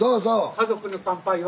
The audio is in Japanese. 「家族に乾杯」は。